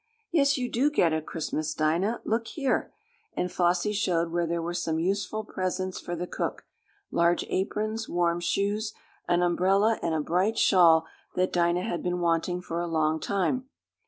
"Yes, you do get a Christmas, Dinah. Look here!" and Flossie showed where there were some useful presents for the cook, large aprons, warm shoes, an umbrella, and a bright shawl that Dinah had been wanting for a long time.